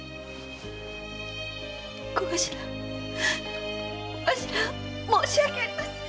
小頭申し訳ありません！